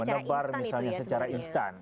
menebar misalnya secara instan